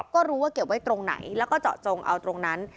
ก็รู้ว่าเก็บไว้ตรงไหนแล้วก็เจาะจงเอาตรงนั้น